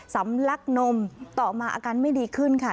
สำลักนมต่อมาอาการไม่ดีขึ้นค่ะ